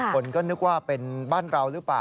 คนก็นึกว่าเป็นบ้านเราหรือเปล่า